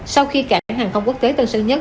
sau khi cảng hàng không quốc tế tân sơn nhất